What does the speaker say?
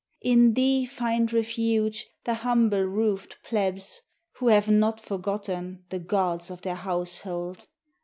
In thee find refuge The humble roofed plebs, Who have not forgotten The gods of their household.